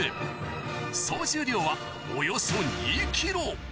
総重量はおよそ２キロ。